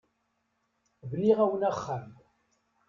Bniɣ-awen axxam.